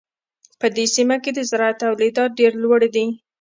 په دې سیمه کې د زراعت تولیدات ډېر لوړ دي.